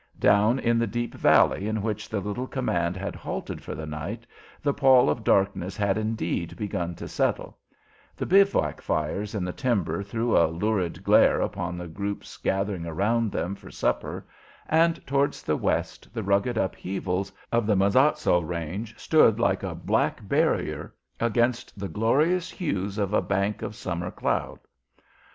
Down in the deep valley in which the little command had halted for the night the pall of darkness had indeed begun to settle; the bivouac fires in the timber threw a lurid glare upon the groups gathering around them for supper, and towards the west the rugged upheavals of the Mazatzal range stood like a black barrier against the glorious hues of a bank of summer cloud.